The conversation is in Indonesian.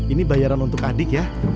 ini bayaran untuk adik ya